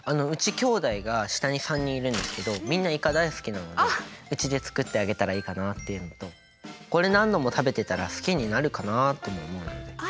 うち兄弟が下に３人いるんですけどみんなイカ大好きなのでうちで作ってあげたらいいかなっていうのとこれ何度も食べてたら好きになるかなとも思うので。